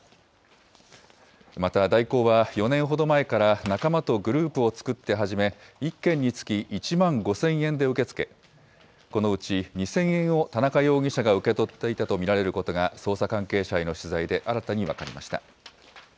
また、代行は４年ほど前から仲間とグループを作って始め、１件につき１万５０００円で受け付け、このうち２０００円を田中容疑者が受け取っていたと見られることが捜査関係者への取材で新たに分かりました。